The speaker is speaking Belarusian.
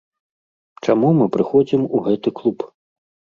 Чаму мы прыходзім у гэты клуб?